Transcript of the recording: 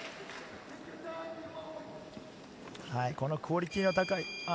このクオリティーの高い。